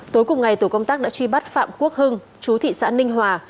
tối cùng ngày tổ công tác đã truy bắt phạm quốc hưng chú thị xã ninh hòa